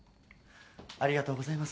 ありがとうございます。